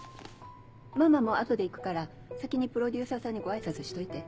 ママも後で行くから先にプロデューサーさんにご挨拶しといて。